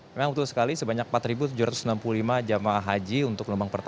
memang betul sekali sebanyak empat tujuh ratus enam puluh lima jemaah haji untuk gelombang pertama